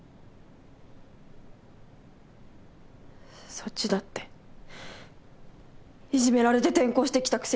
そっちだっていじめられて転校してきたくせに。